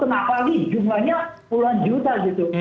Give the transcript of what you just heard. kenapa lagi jumlahnya puluhan juta gitu